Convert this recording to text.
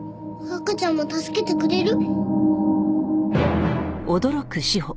赤ちゃんも助けてくれる？